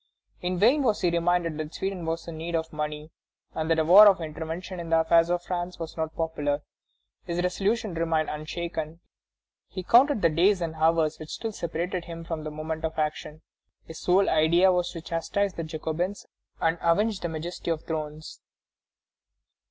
In vain was he reminded that Sweden was in need of money, and that a war of intervention in the affairs of France was not popular. His resolution remained unshaken. He counted the days and hours which still separated him from the moment of action: his sole idea was to chastise the Jacobins and avenge the majesty of thrones.